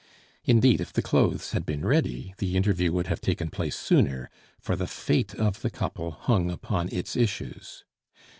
Indeed, if the clothes had been ready, the interview would have taken place sooner, for the fate of the couple hung upon its issues.